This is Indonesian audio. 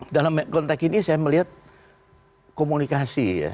dalam konteks ini saya melihat komunikasi ya